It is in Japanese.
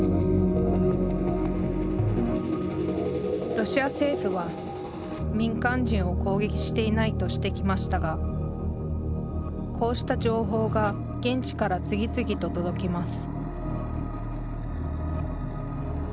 ロシア政府は「民間人を攻撃していない」としてきましたがこうした情報が現地から次々と届きます